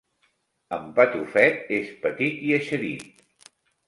En Patufet és petit i eixerit.